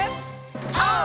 オー！